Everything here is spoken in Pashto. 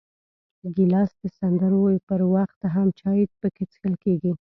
ګیلاس د سندرو پر وخت هم چای پکې څښل کېږي.